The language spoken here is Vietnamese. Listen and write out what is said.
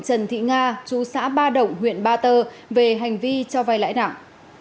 trần thị nga chú xã ba động huyện ba tơ về hành vi cho vai lãi nặng